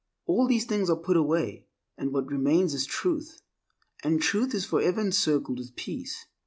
All these things are put away, and what remains is Truth, and Truth is forever encircled with peace.